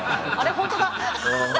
本当だ。